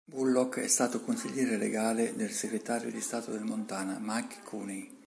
Bullock è stato consigliere legale del Segretario di Stato del Montana, Mike Cooney.